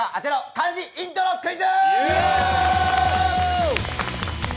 漢字イントロクイズ！